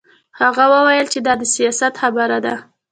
هغه وویل چې دا د سیاست خبره ده